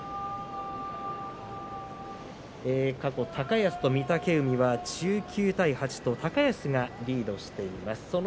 過去、高安と御嶽海は１９対８と高安がリードしています。